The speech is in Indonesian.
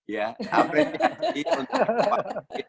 ya apresiasi untuk pak mardhani